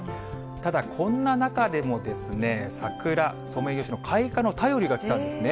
ただ、こんな中でもですね、桜、ソメイヨシノ開花の便りが来たんですね。